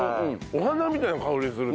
お花みたいな香りする。